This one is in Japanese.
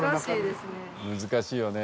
難しいよね。